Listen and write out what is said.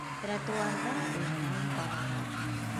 Тротуарҙа уйнай балалар